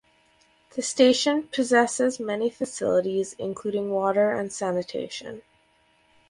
The station possesses many facilities including water and sanitation.